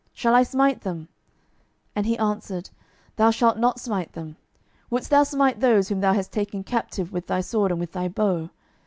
shall I smite them? 12:006:022 And he answered, Thou shalt not smite them: wouldest thou smite those whom thou hast taken captive with thy sword and with thy bow?